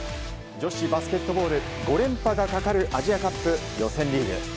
女子バスケットボール５連覇がかかるアジアカップ予選リーグ。